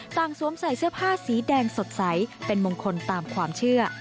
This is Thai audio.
สวมใส่เสื้อผ้าสีแดงสดใสเป็นมงคลตามความเชื่อ